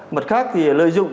mặt khác thì lợi dụng